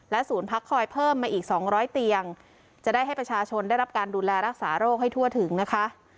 ศูนย์พักคอยเพิ่มมาอีก๒๐๐เตียงจะได้ให้ประชาชนได้รับการดูแลรักษาโรคให้ทั่วถึงนะคะ